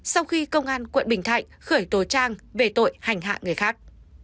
sau khi công an quận bình thạnh khởi tố trang về tội hành hạ người khác